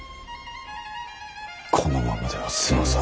このままでは済まさん。